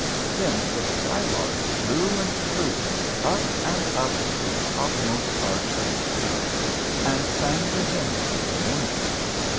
Then the sky lark flew and flew up and up to the topmost arch of the sky, and sang the hymn of the morning.